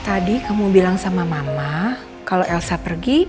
aku mau pergi